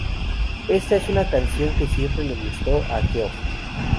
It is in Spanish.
Esta es una canción que siempre le gustó a Geoff.